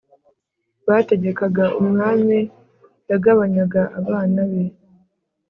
bategekaga umwami yagabanyaga abana be